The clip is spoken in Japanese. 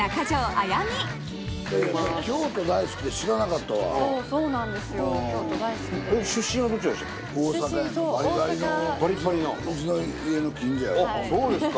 あっそうですか。